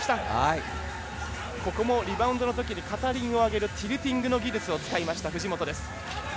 ここもリバウンドのときに片輪を上げるティルティングの技術を使いました、藤本です。